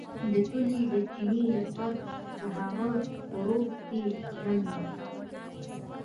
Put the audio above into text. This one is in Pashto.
د کلي د چینې غږ د هغه په روح کې ننوت